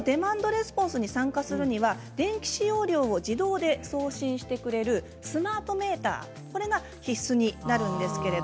レスポンスに参加するには、電気使用量を自動で送信してくれるスマートメーターが必須になります。